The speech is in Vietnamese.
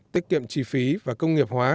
tiết kiệm chi phí và công nghiệp hóa